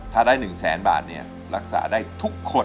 ถ้าได้๑๐๐๐๐๐บาทเนี่ยรักษาได้ทุกคน